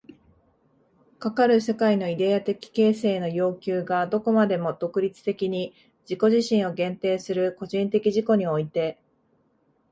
かかる世界のイデヤ的形成の要求がどこまでも独立的に自己自身を限定する個人的自己において、